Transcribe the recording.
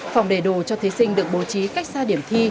phòng đầy đủ cho thí sinh được bố trí cách xa điểm thi